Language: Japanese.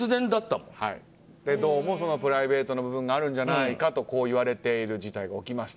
どうも、プライベートの部分があるんじゃないかと言われている事態が起きました。